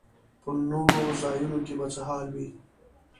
په نورو ځایونو کې به څه حال وي.